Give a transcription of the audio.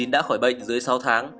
đã khỏi bệnh dưới sáu tháng